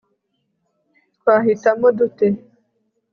twahitamo dute